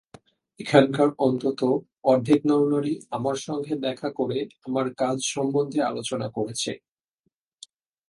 এখানকার অন্তত অর্ধেক নরনারী আমার সঙ্গে দেখা করে আমার কাজ সম্বন্ধে আলোচনা করেছে।